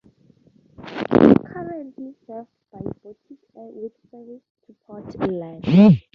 Currently served by Boutique Air with service to Portland.